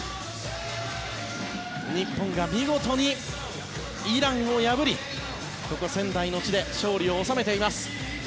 日本が見事にイランを破りここ、仙台の地で勝利を収めています。